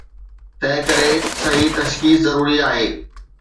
تنهن ڪري، صحيح تشخيص ضروري آهي.